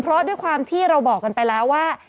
เพราะด้วยความที่เราบอกกันไปแล้วว่า